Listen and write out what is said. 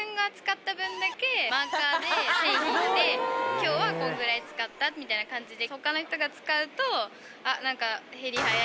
今日はこんぐらい使ったみたいな感じで。